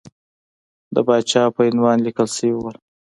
د پاچا په عنوان لیکل شوی وو.